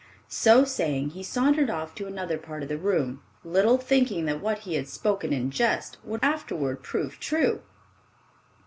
So saying he sauntered off to another part of the room, little thinking that what he had spoken in jest would afterward prove true.